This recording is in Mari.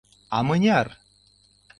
А мыняр?